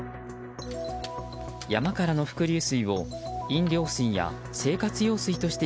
山からの伏流水を飲料水や生活用水として